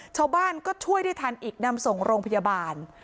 ชาวบ้านก็ช่วยได้ทันอีกนำส่งโรงพยาบาล